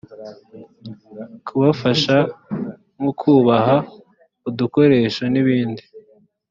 kubafasha nko kubaha udukoresho n’ibindi